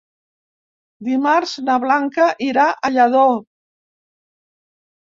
Dimarts na Blanca irà a Lladó.